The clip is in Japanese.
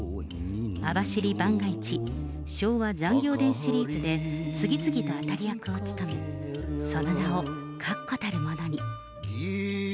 網走番外地、昭和残侠伝シリーズで次々と当たり役を務め、その名を確固たるものに。